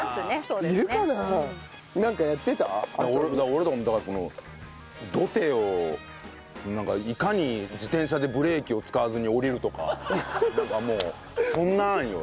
俺だからその土手をいかに自転車でブレーキを使わずに下りるとかなんかもうそんなんよね。